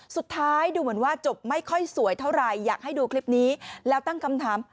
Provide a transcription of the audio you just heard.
สุดท้ายดูเหมือนว่าจบไม่ค่อยสวยเท่าไหร่อยากให้ดูคลิปนี้แล้วตั้งคำถาม